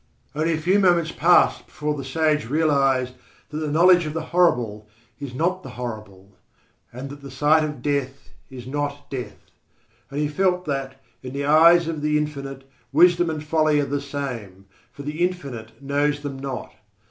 Only a few moments passed before the sage realised that the knowledge of the horrible is not the horrible, and that the sight of death is not death. And he felt that in the eyes of the Infinite wisdom and folly are the same, for the Infinite knows them not.